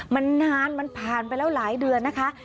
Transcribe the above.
มันนานมันผ่านไปแล้วหลายเดือนนะคะ